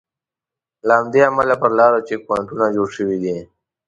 له همدې امله پر لارو چیک پواینټونه جوړ شوي دي.